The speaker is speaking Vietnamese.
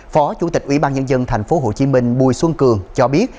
phó chủ tịch ubnd tp hcm bùi xuân cường cho biết